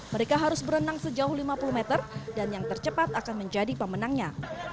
mereka harus berenang sejauh lima puluh meter dan yang tercepat akan menjadi pemenangnya